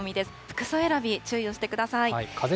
服装選び、注意をしてください。